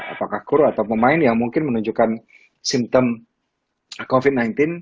apakah kur atau pemain yang mungkin menunjukkan simptom covid sembilan belas